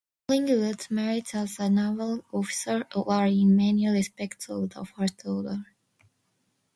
Collingwood's merits as a naval officer were in many respects of the first order.